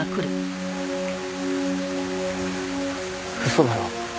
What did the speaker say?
嘘だろ？